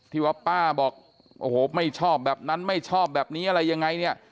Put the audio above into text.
ที่ว่าป้าบอกโอ้โหไม่ชอบแบบนั้นไม่ชอบแบบนี้อะไรยังไงเนี่ย